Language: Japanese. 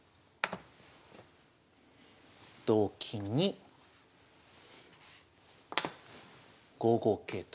同金に５五桂と。